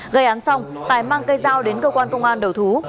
gây án xong tài mang cây dao đến cơ quan công an đầu thú